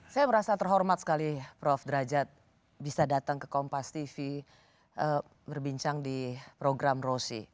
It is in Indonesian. saya merasa terhormat sekali prof derajat bisa datang ke kompas tv berbincang di program rosi